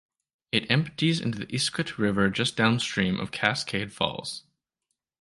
It empties into the Iskut River just downstream of Cascade Falls.